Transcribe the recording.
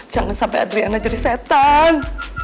jangan sampai adriana jadi setan